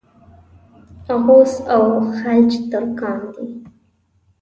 اوغوز او خَلَج ترکان دي.